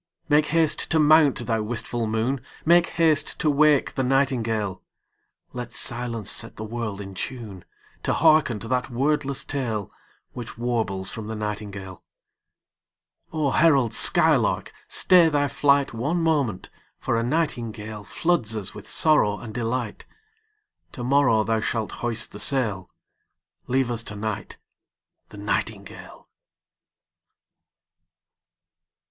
Make haste to mount, thou wistful moon, Make haste to wake the nightingale: Let silence set the world in tune To hearken to that wordless tale Which warbles from the nightingale O herald skylark, stay thy flight One moment, for a nightingale Floods us with sorrow and delight. To morrow thou shalt hoist the sail; Leave us to night the nightingale.